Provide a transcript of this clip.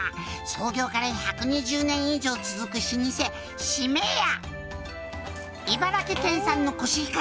「創業から１２０年以上続く老舗」「茨城県産の」